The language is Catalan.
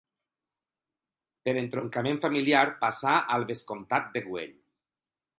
Per entroncament familiar passà al vescomtat de Güell.